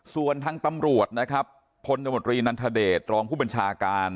ส่วนทางตำรวจนะครับพลตมตรีนันทเดชรองผู้บัญชาการ